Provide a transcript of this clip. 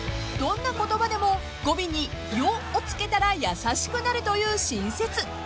［どんな言葉でも語尾に「よ」をつけたら優しくなるという新説］